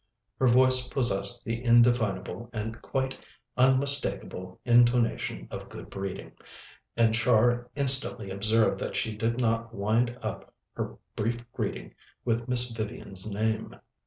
Her voice possessed the indefinable and quite unmistakable intonation of good breeding, and Char instantly observed that she did not wind up her brief greeting with Miss Vivian's name.